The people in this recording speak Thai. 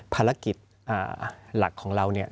ภารกิจหลักของเราเนี่ย